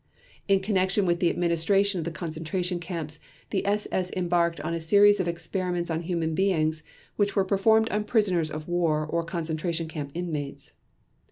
In connection with the administration of the concentration camps, the SS embarked on a series of experiments on human beings which were performed on prisoners of war or concentration camp inmates.